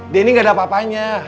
dia ini gak ada apa apanya